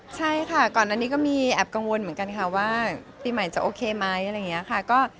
ตอนนี้น้องควังวนแอบกังวลเหมือนกันค่ะว่าปีใหม่จะโอเคไหมอะไรอย่างนี้ค่ะ